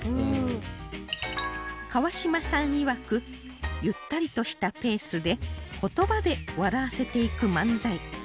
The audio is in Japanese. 川島さんいわくゆったりとしたペースで言葉で笑わせていく漫才